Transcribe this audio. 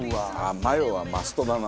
マヨはマストだな